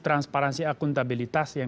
transparansi akuntabilitas yang